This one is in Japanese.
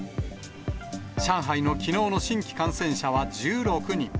上海のきのうの新規感染者は１６人。